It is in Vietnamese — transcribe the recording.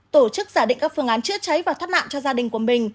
tổ chức giả định các phương án chữa cháy và thoát nạn cho gia đình của mình